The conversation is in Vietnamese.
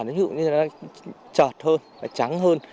nó chọt hơn trắng hơn